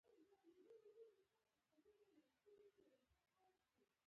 کېله د معدې زخمونه ښه کوي.